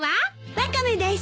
ワカメです。